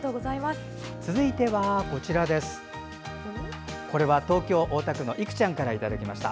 続いては、東京・大田区のいくちゃんからいただきました。